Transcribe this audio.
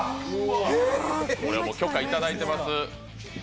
これ許可いただいています。